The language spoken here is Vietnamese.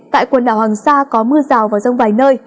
tại quần đảo hoàng sa có mưa rào và rông vài nơi